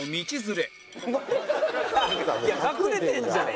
いや隠れてんじゃん。